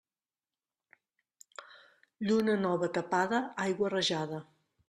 Lluna nova tapada, aigua rajada.